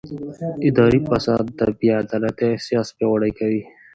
اداري فساد د بې عدالتۍ احساس پیاوړی کوي